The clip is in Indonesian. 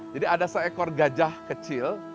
jadi ada seekor gajah kecil